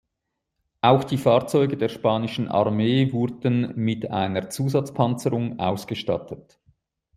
Auch die Fahrzeuge der spanischen Armee wurden mit einer Zusatzpanzerung ausgestattet.